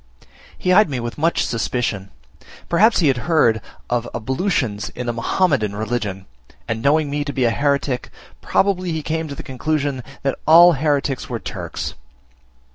He eyed me with much suspicion; perhaps he had heard of ablutions in the Mahomedan religion, and knowing me to be a heretick, probably he came to the conclusion that all hereticks were Turks.